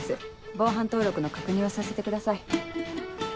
防犯登録の確認をさせてください。